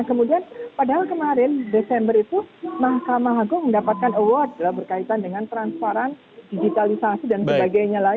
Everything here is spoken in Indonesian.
kemudian padahal kemarin desember itu mahkamah agung mendapatkan award berkaitan dengan transparan digitalisasi dan sebagainya lah